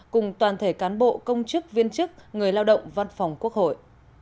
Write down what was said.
cùng toàn thể cán bộ công chức viên chức người lao động văn phòng quốc hội